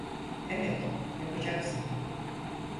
Evet, yapacaksın.